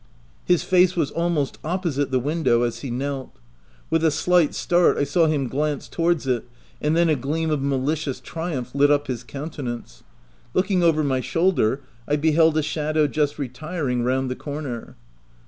His face was almost opposite the window as he knelt. With a slight start, I saw him glance towards it; and then a gleam of malicious triumph lit up his countenance. Looking over my shoulder, I beheld a shadow just retiring round the corner.